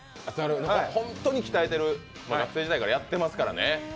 ほんっとに鍛えてる、学生時代からやってますからね。